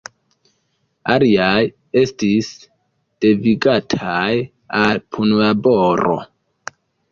Aliaj estis devigataj al punlaboro.